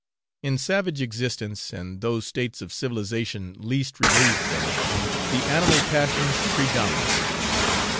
In savage existence, and those states of civilisation least removed from it, the animal passions predominate.